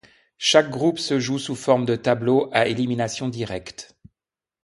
Chaque groupe se joue sous forme de tableau à élimination directe.